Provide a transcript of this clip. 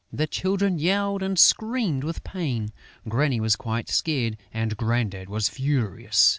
The children yelled and screamed with pain. Granny was quite scared; and Grandad was furious.